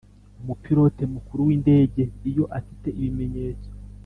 Umupilote mukuru w indege iyo afite ibimenyetso